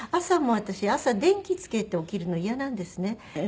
朝も私朝電気つけて起きるのイヤなんですね。